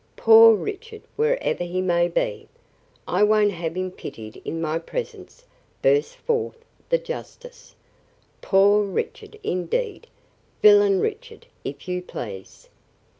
Poor Richard, wherever he may be " "I won't have him pitied in my presence," burst forth the justice. "Poor Richard, indeed! Villain Richard, if you please."